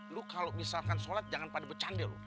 lu kalau misalkan sholat jangan pada bercanda lu